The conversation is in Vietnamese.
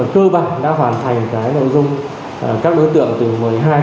cơ bản đã hoàn thành cái nội dung các đối tượng từ một mươi hai đến một mươi bảy tuổi